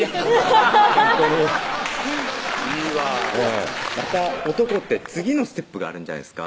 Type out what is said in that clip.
ほんとにいいわまた男って次のステップがあるじゃないですか